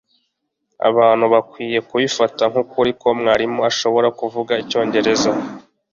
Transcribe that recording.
abantu bakwiriye kubifata nkukuri ko mwarimu ashobora kuvuga icyongereza